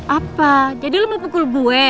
apa jadi lo mau pukul gue